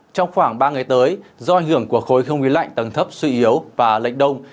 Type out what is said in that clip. trong khoảng ba ngày tới do ảnh hưởng của khối không khí lạnh tầng thấp suy yếu và lệch đông